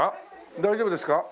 大丈夫ですか？